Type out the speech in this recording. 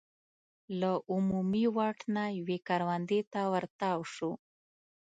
له عمومي واټ نه یوې کروندې ته ور تاو شو.